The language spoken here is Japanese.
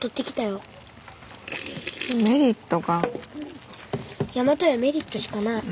やまとやメリットしかない。